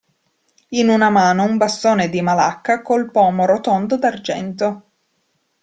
In una mano un bastone di malacca col pomo rotondo d'argento.